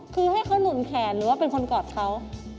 คือให้เขาหนุนแขนหรือว่าเป็นคนกอดเขา